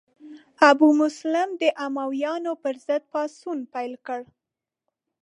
ابو مسلم د امویانو پر ضد پاڅون پیل کړ.